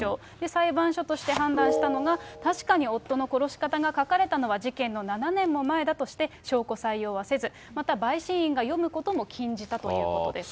裁判所として判断したのが、確かに夫の殺し方が書かれたのは事件の７年も前だとして、証拠採用はせず、また陪審員が読むことも禁じたということです。